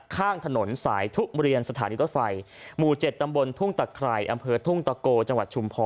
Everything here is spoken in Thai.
ข้างถนนสายทุเรียนสถานีรถไฟหมู่๗ตำบลทุ่งตะไครอำเภอทุ่งตะโกจังหวัดชุมพร